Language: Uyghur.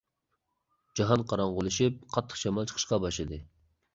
جاھان قاراڭغۇلىشىپ، قاتتىق شامال چىقىشقا باشلىدى.